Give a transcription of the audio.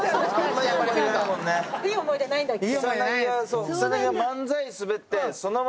いい思い出ないんだっけ？